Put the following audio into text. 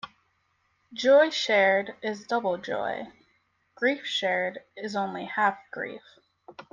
Joy shared is double joy; grief shared is only half grief.